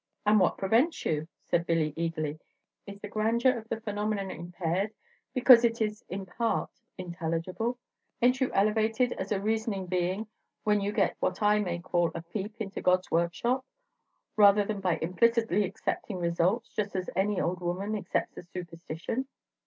"And what prevents you?" said Billy, eagerly. "Is the grandeur of the phenomenon impaired because it is in part intelligible? Ain't you elevated as a reasoning being when you get what I may call a peep into God's workshop, rather than by implicitly accepting results just as any old woman accepts a superstition?"